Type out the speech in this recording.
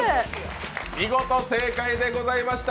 見事正解でございました。